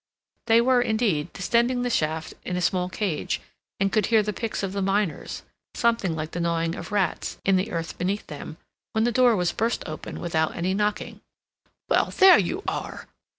They were, indeed, descending the shaft in a small cage, and could hear the picks of the miners, something like the gnawing of rats, in the earth beneath them, when the door was burst open, without any knocking. "Well, here you are!"